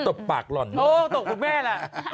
ตบปากแม่เหล่ะ